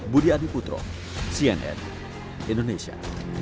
budi adiputro cnn indonesia